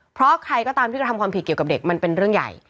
เพราะใครก็ตามที่กระทำความผิดเกี่ยวกับเด็กมันเป็นเรื่องใหญ่